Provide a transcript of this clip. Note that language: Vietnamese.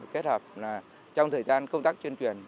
kết hợp trong thời gian công tác chuyên truyền